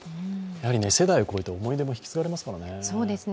世代を超えて思い出も引き継がれますからね。